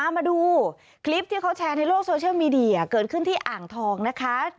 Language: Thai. มาดูคลิปที่เขาแชร์ในโลกโซเชียลมีเดียเกิดขึ้นที่อ่างทองนะคะ